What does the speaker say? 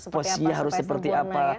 posisi harus seperti apa